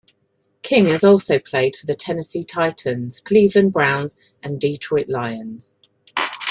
King has also played for the Tennessee Titans, Cleveland Browns and Detroit Lions.